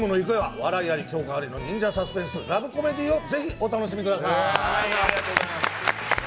笑いあり共感ありの忍者サスペンスラブコメディーをぜひお楽しみください！